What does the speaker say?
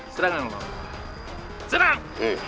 serang anak lo serang